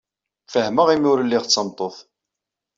Feṛḥeɣ imi ur lliɣ d tameṭṭut.